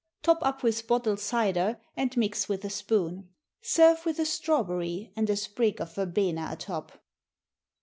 Top up with bottled cider, and mix with a spoon. Serve with a strawberry, and a sprig of verbena atop.